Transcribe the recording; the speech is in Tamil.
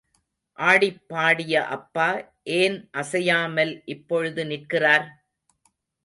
ஆடிப்பாடிய அப்பா, ஏன் அசையாமல் இப்பொழுது நிற்கிறார்?